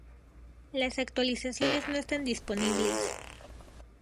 Las actualizaciones no están disponibles.